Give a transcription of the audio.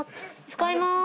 使いまーす！